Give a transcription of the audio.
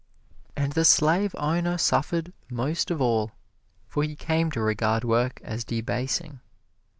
And the slave owner suffered most of all, for he came to regard work as debasing.